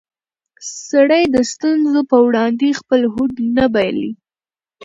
سړی د ستونزو په وړاندې خپل هوډ نه بایلي